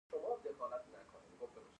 ایا ستړیا احساسوئ؟